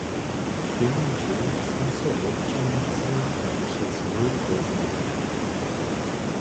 Prěni dźeń su so wobdźělnicy přez hry zeznali.